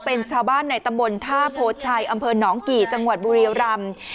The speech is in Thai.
เป็นชาวบ้านในตำบลท่าโพชัยอำเภอหนองกี่จังหวัดบุรีรำ